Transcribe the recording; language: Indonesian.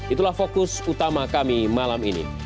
itulah fokus utama kami malam ini